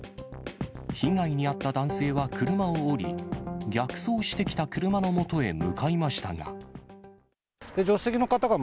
被害に遭った男性は車を降り、逆走してきた車のもとへ向かいましたが。